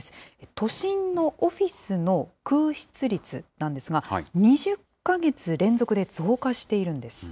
都心のオフィスの空室率なんですが、２０か月連続で増加しているんです。